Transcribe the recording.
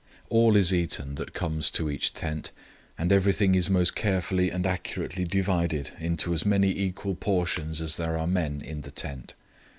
"All is eaten that comes to each tent, and everything is most carefully and accurately divided into as many equal portions as there are men in the tent.